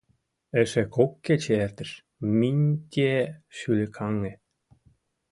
Эше кок кече эртыш, — Минтье шӱлыкаҥе.